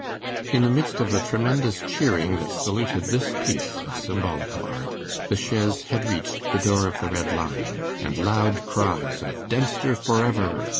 In the midst of the tremendous cheering that saluted this piece of symbolical art, the chaise had reached the door of the Red Lion, and loud cries of 'Dempster for ever!